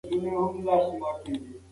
ایا سمارټ فون زده کړه اسانه کړې ده؟